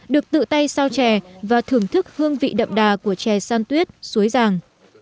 được tự tay sao chè và thưởng thức hương vị đậm đà của chè san tuyết suối giàng